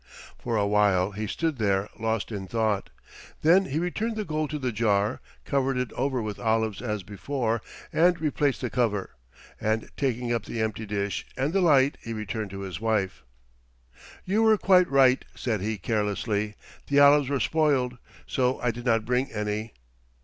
For a while he stood there lost in thought. Then he returned the gold to the jar, covered it over with olives as before, and replaced the cover, and taking up the empty dish and the light he returned to his wife. "You were quite right," said he carelessly. "The olives were spoiled, so I did not bring any."